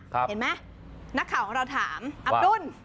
เห็นไหมนักข่าวของเราถามอับดุล